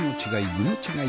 具の違い